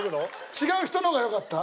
違う人の方がよかった？